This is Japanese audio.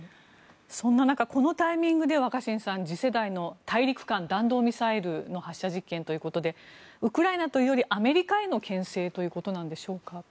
そんな中このタイミングで若新さん次世代の大陸間弾道ミサイルの発射実験ということでウクライナというよりアメリカへのけん制ということなんでしょうか。